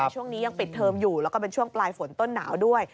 ช่วงนี้ยังปิดเทอมอยู่แล้วก็เป็นช่วงปลายฝนต้นหนาวด้วย